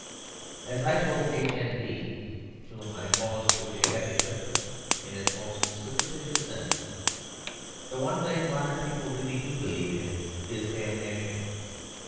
As I told "H. N. B." (whom I pause to wish a Happy Christmas in its most superstitious sense), the one thing modern people really do believe in is damnation.